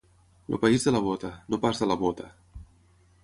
El país de la bota, no pas de la bóta.